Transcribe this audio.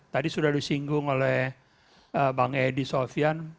tadi sudah disinggung oleh bang edi sofian